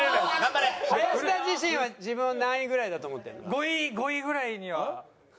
林田自身は自分を何位ぐらいだと思ってるの？